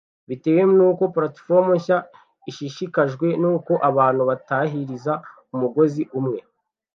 Bitewe n’uko Plateforme nshya ishishikajwe n’ uko abantu batahiriza umugozi umwe